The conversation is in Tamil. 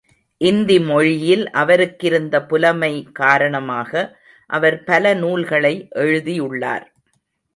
இந்தி மொழியில் அவருக்கிருந்த புலமை காரணமாக அவர் பல நூல்களை எழுதியுள்ளார்.